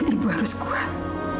ibu harus kuat